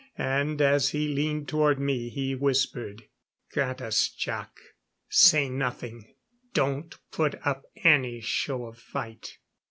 And, as he leaned toward me, he whispered: "Got us, Jac! Say nothing. Don't put up any show of fight."